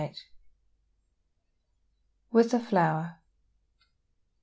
VII. WITH A FLOWER.